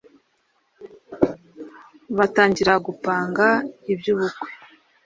batangira gupanga ibyubukwe